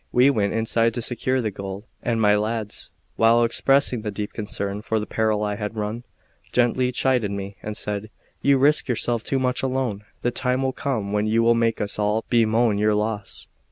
We went inside to secure the gold; and my lads, while expressing deep concern for the peril I had run, gently chided me, and said: "You risk yourself too much alone; the time will come when you will make us all bemoan your loss."